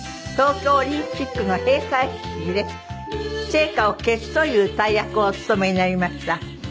東京オリンピックの閉会式で聖火を消すという大役をお務めになりました。